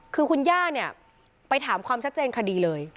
คือคุณย่าเนี่ยไปถามความชัดเจนคดีเลย